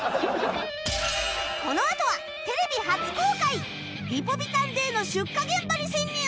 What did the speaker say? このあとはテレビ初公開リポビタン Ｄ の出荷現場に潜入！